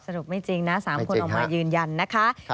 ไม่จริงนะ๓คนออกมายืนยันนะคะ